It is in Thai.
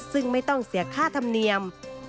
ซึ่งไม่ต้องเสียค่าธรรมเนียม